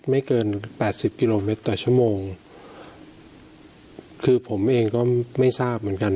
ไม่เกินแปดสิบกิโลเมตรต่อชั่วโมงคือผมเองก็ไม่ทราบเหมือนกัน